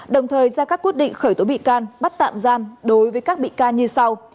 đồng thời ra các quyết định khởi tố bị can bắt tạm giam đối với các bị can như sau